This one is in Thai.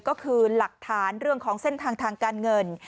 ก็คือหลักฐานเรื่องของเส้นทางทางการเงิน